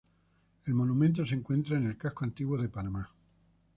El monumento se encuentra en el Casco Antiguo de Panamá.